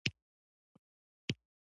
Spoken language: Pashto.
د بېنوا پرېشانه افکار